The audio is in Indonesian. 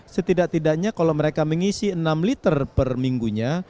setidak tidaknya kalau mereka mengisi enam liter per minggunya